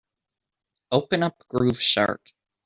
Open up Groove Shark.